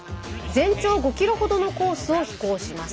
全長５ｋｍほどのコースを飛行します。